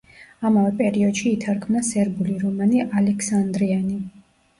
ამავე პერიოდში ითარგმნა სერბული რომანი „ალექსანდრიანი“.